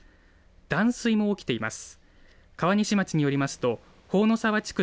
断水も起きています。